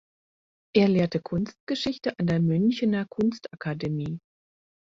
Er lehrte Kunstgeschichte an der Münchener Kunstakademie.